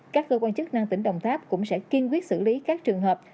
các cơ quan chức năng tỉnh đồng tháp cũng sẽ kiên quyết xử lý các trường hợp